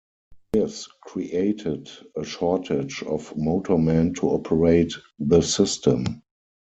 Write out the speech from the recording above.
This created a shortage of motormen to operate the system.